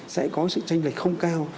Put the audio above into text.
sẽ có sự tranh lệch không cao